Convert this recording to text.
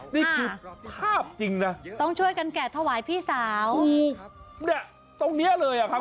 นี่คือภาพจริงนะต้องช่วยกันแกะถวายพี่สาวถูกเนี่ยตรงเนี้ยเลยอ่ะครับ